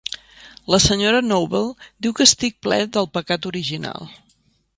La senyora Noble diu que estic ple del pecat original.